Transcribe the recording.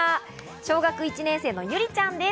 小学１年生のゆりちゃんです。